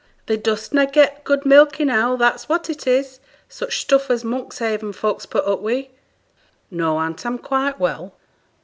Thee dost na' get good milk enow, that's what it is, such stuff as Monkshaven folks put up wi'!' 'No, aunt; I'm quite well.